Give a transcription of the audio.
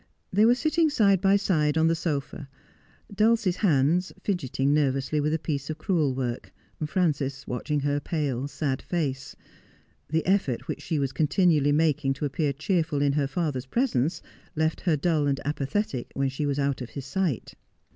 They were sitting side by side on the sofa, Dulcie's hands fidgeting nervously with a piece of crewel work, Frances watching her pale, sad face. The effort which she was continually making to appear cheerful in her father's presence, left her dull and apathetic when she was out of his sight.